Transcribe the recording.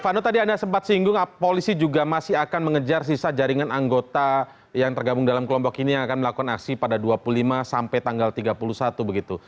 vano tadi anda sempat singgung polisi juga masih akan mengejar sisa jaringan anggota yang tergabung dalam kelompok ini yang akan melakukan aksi pada dua puluh lima sampai tanggal tiga puluh satu begitu